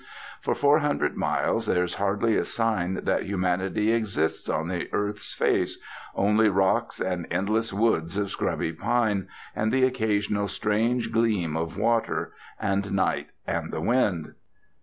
For four hundred miles there is hardly a sign that humanity exists on the earth's face, only rocks and endless woods of scrubby pine, and the occasional strange gleam of water, and night and the wind.